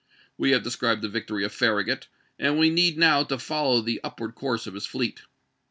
We have described the victory of Farragut, and we need now to follow the up ward course of his fleet.